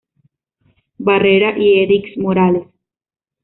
Barrera y Erik Morales.